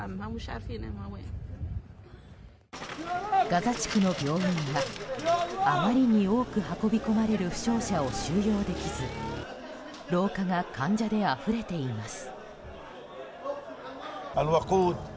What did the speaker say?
ガザ地区の病院はあまりに多く運び込まれる負傷者を収容できず廊下が患者であふれています。